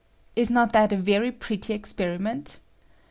Is "iiot that a very pretty experiment?